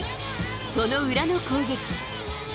その裏の攻撃。